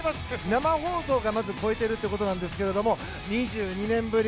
生放送がまず超えているということですが２２年ぶり